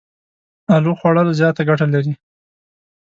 الو خوړ ل زياته ګټه لري.